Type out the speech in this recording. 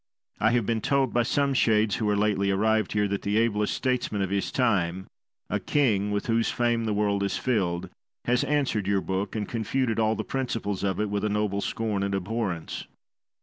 I have been told by some shades who are lately arrived here, that the ablest statesman of his time, a king, with whose fame the world is filled, has answered your book, and confuted all the principles of it, with a noble scorn and abhorrence.